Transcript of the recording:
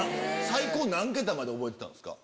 最高何桁まで覚えてたんですか？